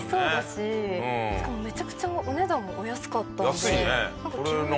しかもめちゃくちゃお値段もお安かったので。